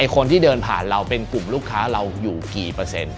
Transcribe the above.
คนที่เดินผ่านเราเป็นกลุ่มลูกค้าเราอยู่กี่เปอร์เซ็นต์